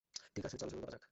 ঠিক আছে, চলো শুরু করা যাক।